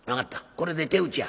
これで手打ちや。